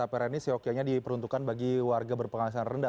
pr ini seyokianya diperuntukkan bagi warga berpenghasilan rendah